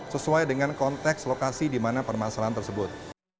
sesuai dengan konteks lokasi di mana permasalahan tersebut